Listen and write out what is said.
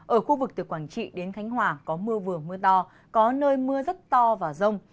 ở khu vực từ quảng trị đến khánh hòa có mưa vừa mưa to có nơi mưa rất to và rông